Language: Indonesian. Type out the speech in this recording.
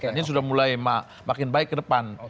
dan ini sudah mulai makin baik ke depan